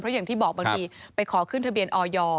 อย่างที่บอกบางทีไปขอขึ้นทะเบียนออย